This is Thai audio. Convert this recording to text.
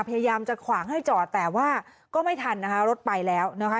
พยายามจะขวางให้จอดแต่ว่าก็ไม่ทันนะคะรถไปแล้วนะคะ